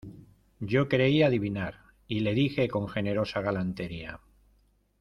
yo creí adivinar, y le dije con generosa galantería: